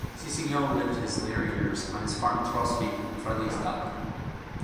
Cicignon lived his later years on his farm Trosvik in Fredrikstad.